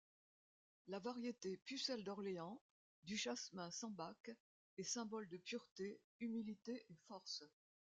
La variété 'Pucelle d'Orléans' du jasmin sambac est symbole de pureté, humilité et force.